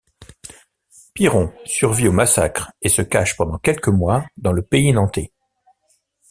Piron survit au massacre et se cache pendant quelques mois dans le pays nantais.